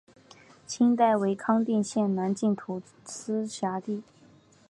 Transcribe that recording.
清代为康定县南境土司辖地。